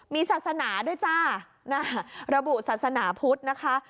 มีศาสนาด้วยจ้าระบุศาสนาพุทธนะคะ